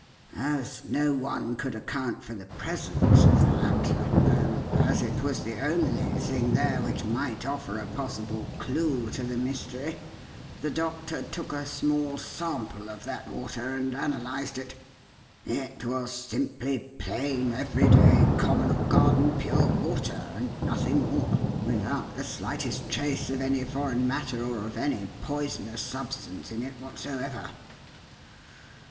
As no one could account for the presence of that, and as it was the only thing there which might offer a possible clue to the mystery, the doctor took a small sample of that water and analyzed it. It was simply plain, everyday, common, or garden pure water, and nothing more, without the slightest trace of any foreign matter or of any poisonous substance in it whatsoever.